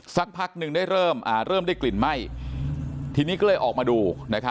สักพักหนึ่งได้เริ่มได้กลิ่นไหม้ทีนี้ก็เลยออกมาดู